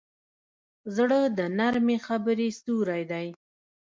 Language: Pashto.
زړه د نرمې خبرې سیوری دی.